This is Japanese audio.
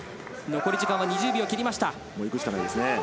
残り時間は２０秒を切りました。